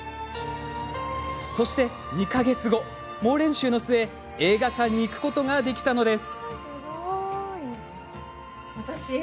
そして２か月後、猛練習の末映画館に行くことができたのです。